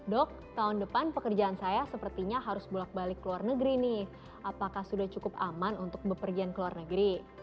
dok tahun depan pekerjaan saya sepertinya harus bolak balik ke luar negeri nih apakah sudah cukup aman untuk bepergian ke luar negeri